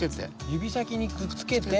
指先にくっつけて。